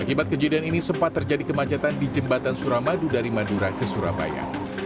akibat kejadian ini sempat terjadi kemacetan di jembatan suramadu dari madura ke surabaya